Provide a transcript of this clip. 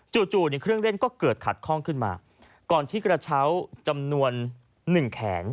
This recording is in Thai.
จู่เนี่ยเครื่องเล่นก็เกิดขัดข้องขึ้นมาก่อนที่กระเช้าจำนวนหนึ่งแขน